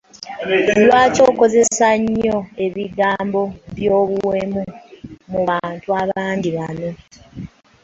Lwaki okozesa nnyo ebigambo by'obuwemu mu bantu abangi bano?